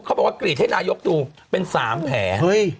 บอกว่ากรีดให้นายกดูเป็น๓แผล